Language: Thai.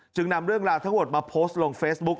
นำเรื่องราวทั้งหมดมาโพสต์ลงเฟซบุ๊ค